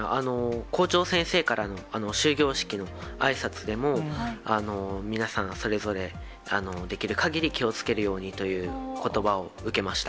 校長先生からの終業式のあいさつでも、皆さんそれぞれできるかぎり、気をつけるようにということばを受けました。